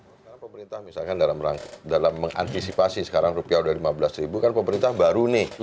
sementara pemerintah misalkan dalam mengantisipasi sekarang rupiah sudah lima belas ribu kan pemerintah baru nih